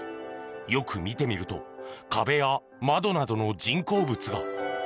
よく見てみると壁や窓などの人工物が。